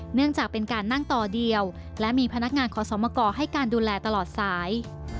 เนื่องจากเป็นการนั่งต่อเดียวและมีพนักงานขอสมกรให้การดูแลตลอดสาย